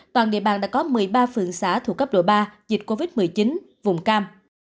toàn địa bàn đã có một mươi ba phường xã thuộc cấp độ ba dịch covid một mươi chín vùng cam